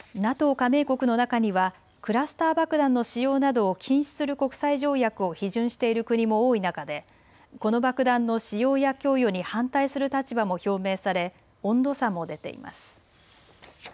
加盟国の中にはクラスター爆弾の使用などを禁止する国際条約を批准している国も多い中でこの爆弾の使用や供与に反対する立場も表明され温度差も出ています。